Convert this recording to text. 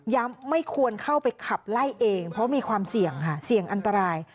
ย้ำไม่ควรเข้าไปขับไล่เองเพราะมีความเสี่ยงอันตราย